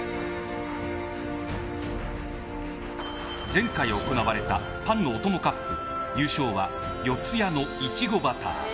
前回行われたパンのお供杯優勝は四谷のいちごバター。